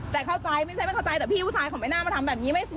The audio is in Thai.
แต่เข้าใจไม่ใช่ไม่เข้าใจแต่พี่ผู้ชายเขาไม่น่ามาทำแบบนี้